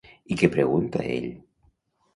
I què pregunta ell?